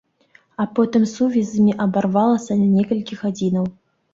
А потым сувязь з імі абарвалася на некалькі гадзінаў.